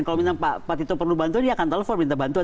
kalau pak tito perlu bantuan dia akan telepon minta bantuan